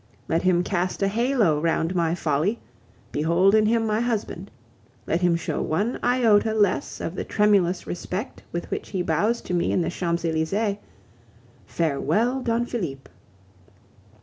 Let him cast a halo round my folly behold in him my husband; let him show one iota less of the tremulous respect with which he bows to me in the Champs Elysees farewell, Don Felipe.